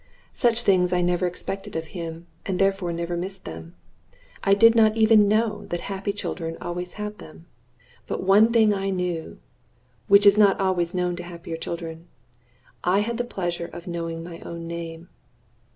Such things I never expected of him, and therefore never missed them; I did not even know that happy children always have them. But one thing I knew, which is not always known to happier children: I had the pleasure of knowing my own name.